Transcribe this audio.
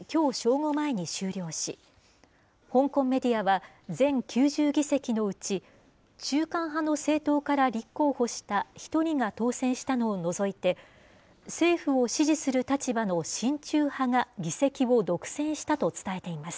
午前に終了し、香港メディアは全９０議席のうち、中間派の政党から立候補した１人が当選したのを除いて、政府を支持する立場の親中派が議席を独占したと伝えています。